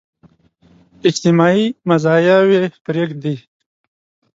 اجتماعي مزاياوې پرېږدي.